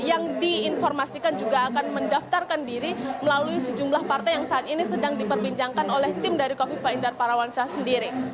yang diinformasikan juga akan mendaftarkan diri melalui sejumlah partai yang saat ini sedang diperbincangkan oleh tim dari kofifa indar parawansa sendiri